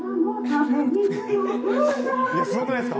すごくないですか？